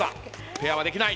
ペアはできない。